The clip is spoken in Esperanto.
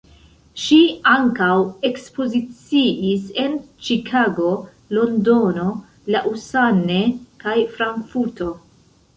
Ŝi ankaŭ ekspoziciis en Ĉikago, Londono, Lausanne, kaj Frankfurto.